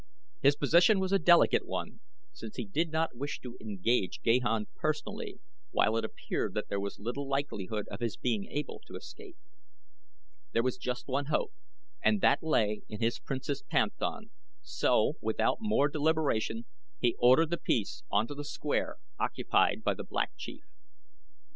His position was a delicate one, since he did not wish to engage Gahan personally, while it appeared that there was little likelihood of his being able to escape. There was just one hope and that lay in his Princess' Panthan, so, without more deliberation he ordered the piece onto the square occupied by the Black Chief.